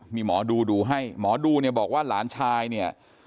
มีหมอดูดูให้หมอดูเนี่ยบอกว่าหลานชายเนี่ย